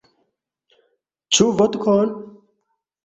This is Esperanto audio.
Ĉu vodkon?